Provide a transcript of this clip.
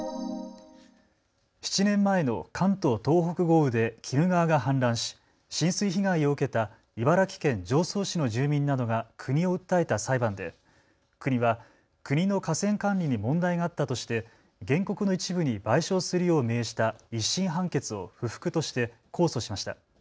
７年前の関東・東北豪雨で鬼怒川が氾濫し浸水被害を受けた茨城県常総市の住民などが国を訴えた裁判で国は国の河川管理に問題があったとして原告の一部に賠償するよう命じた１審判決を不服として控訴しました。